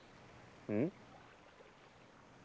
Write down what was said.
うん？